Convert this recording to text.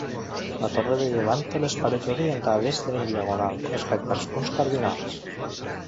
La torre de llevant té les parets orientades en diagonal respecte als punts cardinals.